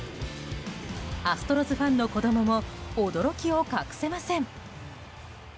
アストロズファンの子供も驚きを隠せません。